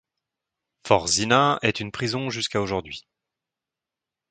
Fort Zinna est une prison jusqu'à aujourd'hui.